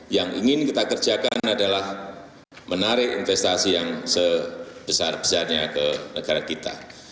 yang ingin kita kerjakan adalah menarik investasi yang sebesar besarnya ke negara kita